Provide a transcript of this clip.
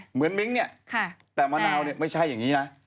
มิ้งเนี่ยแต่มะนาวเนี่ยไม่ใช่อย่างนี้นะ